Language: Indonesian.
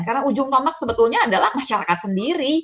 karena ujung tomak sebetulnya adalah masyarakat sendiri